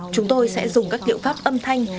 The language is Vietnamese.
chúng tôi sẽ dùng các liệu pháp âm thanh